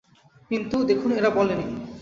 কিন্তু, দেখুন, এরা বলেনি।